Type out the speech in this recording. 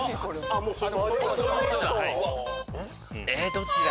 どっちだ？